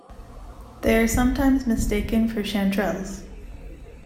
They are sometimes mistaken for chanterelles.